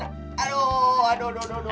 aduh aduh aduh aduh